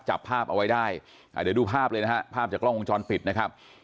จับภาพเอาไว้ได้เดี๋ยวดูภาพเลยนะฮะภาพจากกล้องวงจรปิดนะครับ